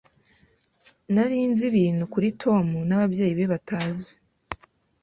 Nari nzi ibintu kuri Tom n'ababyeyi be batabizi.